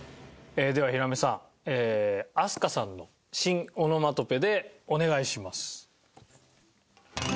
ではひらめさん飛鳥さんの新オノマトペでお願いします。